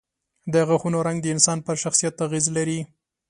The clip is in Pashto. د غاښونو رنګ د انسان پر شخصیت اغېز لري.